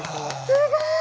すごい！